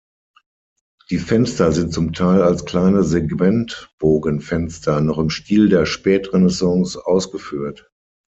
Die Fenster sind zum Teil als kleine Segmentbogenfenster noch im Stil der Spätrenaissance ausgeführt.